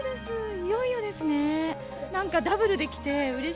いよいよですね。